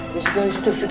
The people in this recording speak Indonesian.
disitu disitu disitu